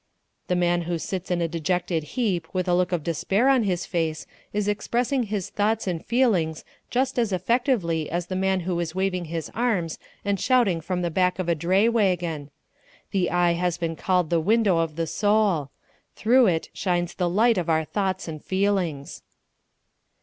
The man who sits in a dejected heap with a look of despair on his face is expressing his thoughts and feelings just as effectively as the man who is waving his arms and shouting from the back of a dray wagon. The eye has been called the window of the soul. Through it shines the light of our thoughts and feelings.